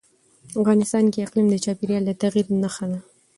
افغانستان کې اقلیم د چاپېریال د تغیر نښه ده.